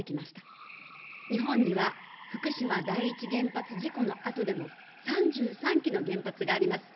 日本には福島第一原発事故の後でも、３３基の原発があります。